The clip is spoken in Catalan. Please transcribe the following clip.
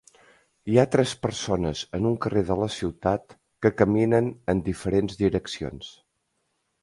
Hi ha tres persones en un carrer de la ciutat que caminen en diferents direccions.